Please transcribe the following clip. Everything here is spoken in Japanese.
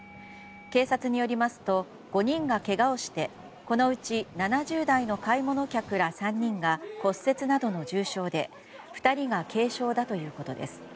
警察によりますと５人がけがをしてこのうち７０代の買い物客ら３人が骨折などの重傷で２人が軽傷だということです。